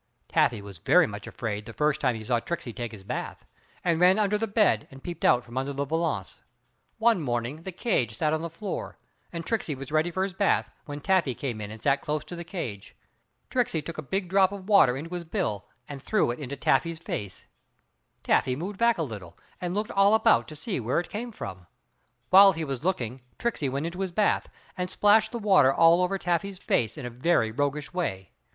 Taffy was very much afraid the first time he saw Tricksey take his bath, and ran under the bed and peeped out from under the valance. One morning the cage sat on the floor, and Tricksey was ready for his bath, when Taffy came in and sat close to the cage. Tricksey took a big drop of water into his bill and threw it into Taffy's face, Taffy moved back a little and looked all about to see where it came from. While he was looking Tricksey went into his bath, and splashed the water all over Taffy's face in a very roguish way.